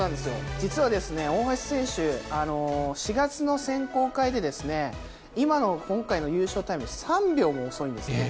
実はですね、大橋選手、４月の選考会で、今の、今回の優勝タイム、３秒も遅いんですね。